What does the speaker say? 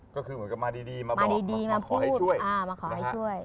ก็คือเหมือนกำลังมาดีมาพูดมาขอให้ช่วย